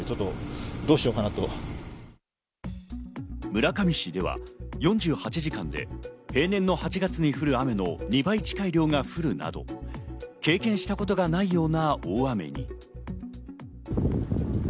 村上市では４８時間で平年の８月に降る雨の２倍近い量が降るなど経験したことがないような大雨に。